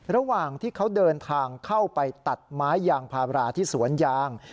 ระหว่างที่เขาเดินทางเข้าไปตัดไม้ยางพาราที่สวนยาง